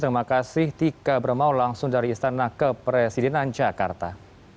terima kasih tika bermau langsung dari istana kepresidenan jakarta